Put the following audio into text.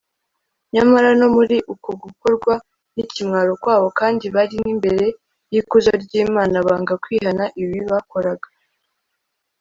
Nyamara no muri uko gukorwa nikimwaro kwabo kandi bari nimbere yikuzo ryImana banga kwihana ibibi bakoraga